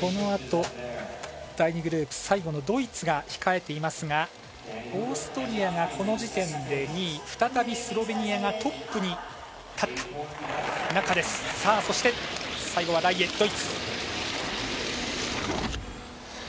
このあと第２グループ最後のドイツが控えていますがオーストリアがこの時点で２位、再びスロベニアがトップに立った中で、最後はライエドイツ。